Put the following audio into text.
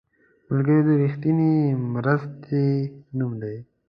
ملګری د رښتینې مرستې نوم دی